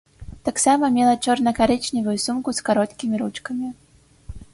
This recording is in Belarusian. Таксама мела чорна-карычневую сумку з кароткімі ручкамі.